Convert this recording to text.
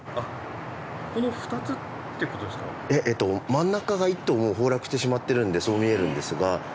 真ん中が１棟もう崩落してしまってるのでそう見えるんですが。